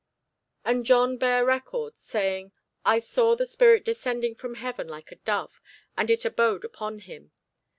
And John bare record, saying, I saw the Spirit descending from heaven like a dove, and it abode upon him.